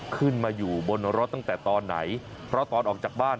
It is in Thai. ขึ้นมาอยู่บนรถตั้งแต่ตอนไหนเพราะตอนออกจากบ้าน